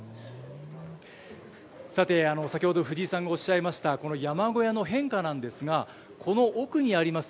さて、先ほど、藤井さんがおっしゃいました、この山小屋の変化なんですが、この奥にあります